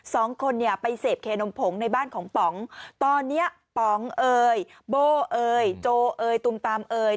สองคนเนี่ยไปเสพเคนมผงในบ้านของป๋องตอนเนี้ยป๋องเอ่ยโบ้เอ่ยโจเอยตุมตามเอ่ย